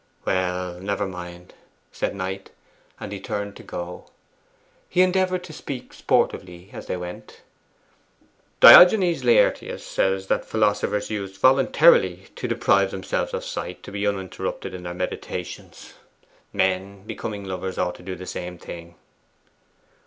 'Well, never mind,' said Knight; and he turned to go. He endeavoured to speak sportively as they went on. 'Diogenes Laertius says that philosophers used voluntarily to deprive themselves of sight to be uninterrupted in their meditations. Men, becoming lovers, ought to do the same thing.